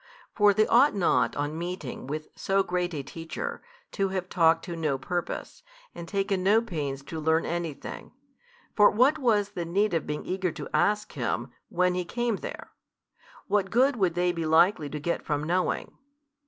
For they ought not on meeting with so great a teacher, to have talked to no purpose, and taken no pains to learn anything. For what was the need of being eager to ask Him, when He came there? what good would they be likely to get from knowing?